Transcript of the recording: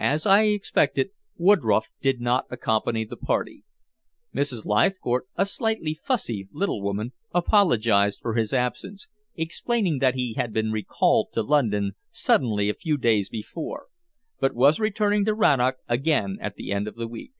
As I expected, Woodroffe did not accompany the party. Mrs. Leithcourt, a slightly fussy little woman, apologized for his absence, explaining that he had been recalled to London suddenly a few days before, but was returning to Rannoch again at the end of the week.